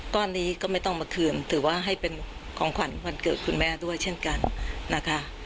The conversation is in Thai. ก้อนนี้ก็ไม่ต้องมาคืนถือว่าให้เป็นของขวัญวันเกิดคุณแม่ด้วยเช่นกันนะคะ